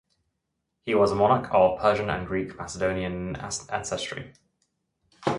He was a monarch of Persian and Greek Macedonian ancestry.